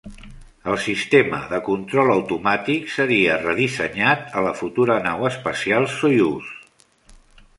El sistema de control automàtic seria redissenyat a la futura nau espacial Soyuz.